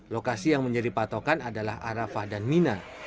lokasi yang menjadi patokan adalah arafah dan mina